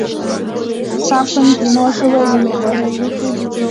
塞昆迪诺是位于美国亚利桑那州皮马县的一个非建制地区。